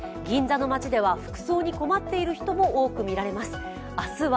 銀座の街では服装に困っている人も多くみられます。